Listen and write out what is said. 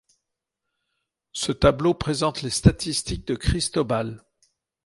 Ce tableau présente les statistiques de Cristóbal.